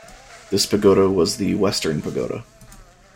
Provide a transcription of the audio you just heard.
This pagoda was the western pagoda.